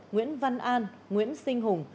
nguyễn văn an nguyễn sinh hùng